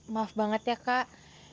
maaf banget ya kak